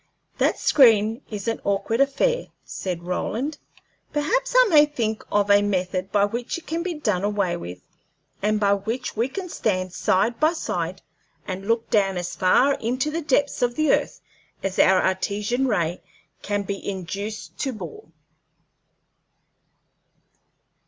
"That screen is an awkward affair," said Roland. "Perhaps I may think of a method by which it can be done away with, and by which we can stand side by side and look down as far into the depths of the earth as our Artesian ray can be induced to bore."